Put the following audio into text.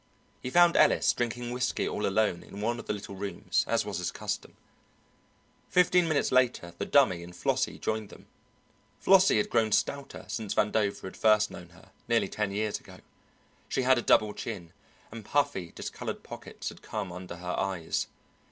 He found Ellis drinking whisky all alone in one of the little rooms, as was his custom; fifteen minutes later the Dummy and Flossie joined them. Flossie had grown stouter since Vandover had first known her, nearly ten years ago. She had a double chin, and puffy, discoloured pockets had come under her eyes.